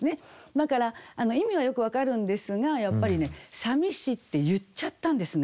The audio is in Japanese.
だから意味はよく分かるんですがやっぱりね「淋し」って言っちゃったんですね